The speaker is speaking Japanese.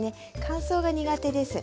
乾燥が苦手です。